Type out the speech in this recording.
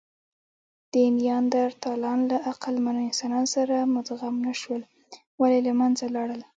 که نیاندرتالان له عقلمنو انسانانو سره مدغم نهشول، ولې له منځه لاړل؟